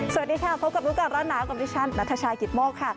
สวัสดีค่ะพบกับร้อนหนาวกับดิชชันณฑชายกิตโมคค่ะ